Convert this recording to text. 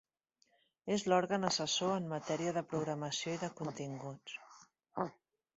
És l'òrgan assessor en matèria de programació i de continguts.